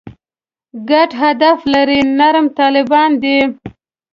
ګډ هدف لري «نرم طالبان» دي.